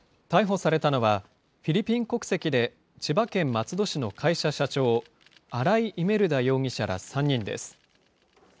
逮捕されたのは、フィリピン国籍で千葉県松戸市の会社社長、新井イメルダ容疑者ら３人です。